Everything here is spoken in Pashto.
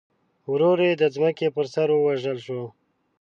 ورور یې د ځمکې پر سر ووژل شو.